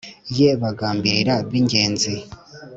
ye bagambirira b’ingenzi